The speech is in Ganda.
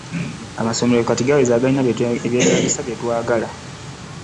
Amasomero kati gaweze agalina ebyetaagisa bye twagala.